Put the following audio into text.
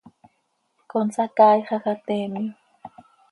Consacaaixaj ha teemyo.